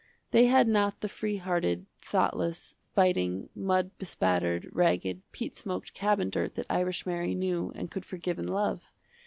They had not the free hearted, thoughtless, fighting, mud bespattered, ragged, peat smoked cabin dirt that irish Mary knew and could forgive and love.